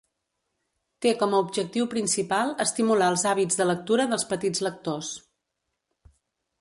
Té com a objectiu principal estimular els hàbits de lectura dels petits lectors.